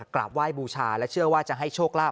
กราบไหว้บูชาและเชื่อว่าจะให้โชคลาภ